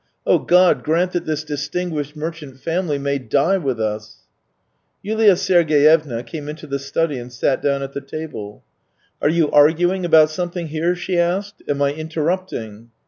Oh, God, grant that this distinguished merchant family may die with us !" Yulia Sergeyevna came into the study and sat down at the table. " Are you arguing about something here ?" she asked. "Am I interrupting?"